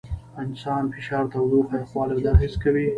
انسان فشار، تودوخه، یخوالي او درد حس کوي.